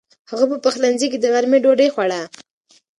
هغه په پخلنځي کې د غرمې ډوډۍ خوړه.